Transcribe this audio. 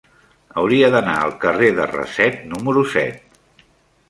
Hauria d'anar al carrer de Raset número set.